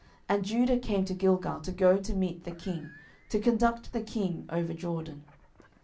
And Judah came to Gilgal, to go to meet the king, to conduct the king over Jordan.